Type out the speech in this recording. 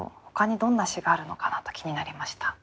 ほかにどんな詩があるのかなと気になりました。